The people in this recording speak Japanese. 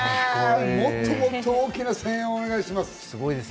もっともっと大きな声援をお願いします。